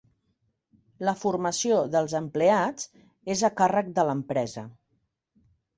La formació dels empleats és a càrrec de l'empresa.